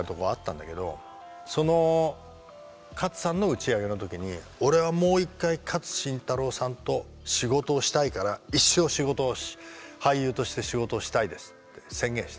その勝さんの打ち上げの時に俺はもう一回勝新太郎さんと仕事をしたいから一生俳優として仕事をしたいですって宣言した。